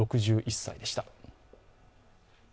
６１歳でした。